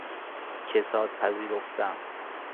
کساد پذیرفتن